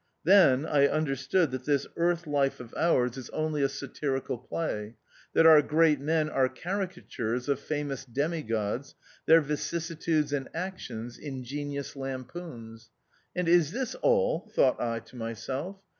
Then I understood that this earth life of ours is THE OUTCAST. 27 only a satirical play, that our great men are caricatures of famous demigods, their vicissi tudes and actions, ingenious lampoons. And is this all? thought I to myself.